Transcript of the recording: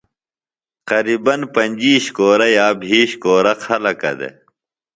قرِباً پنجِیش کورہ یا بھیش کورہ خلَکہ دےۡ